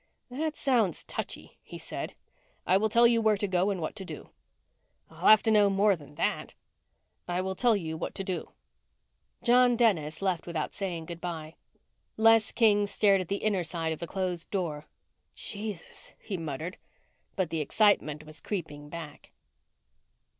"That sounds touchy," he said. "I will tell you where to go and what to do." "I'll have to know more than that." "I will tell you what to do." John Dennis left without saying good bye. Les King stared at the inner side of the closed door. "Jesus!" he muttered. But the excitement was creeping back.